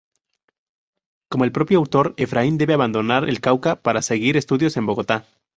Como el propio autor, Efraín debe abandonar el Cauca para seguir estudios en Bogotá.